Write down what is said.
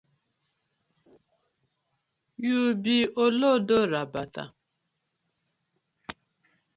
Yu bi olodo rabata.